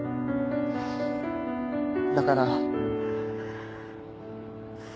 だから。